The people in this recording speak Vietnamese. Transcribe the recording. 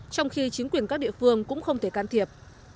trong khi chính quyền các địa phương cũng không thể can thiệp